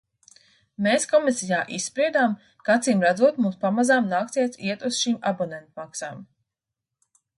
Mēs komisijā izspriedām, ka acīmredzot mums pamazām nāksies iet uz šīm abonentmaksām.